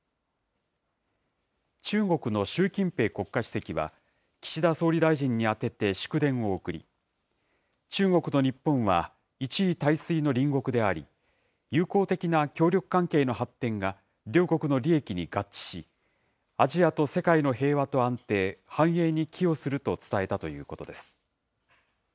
中国の習近平国家主席は、岸田総理大臣に宛てて祝電を送り、中国と日本は一衣帯水の隣国であり、友好的な協力関係の発展が、両国の利益に合致し、アジアと世界の平和と安定、繁栄に寄与すると伝えたということです。